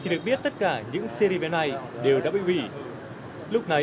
khi được biết tất cả những cd về này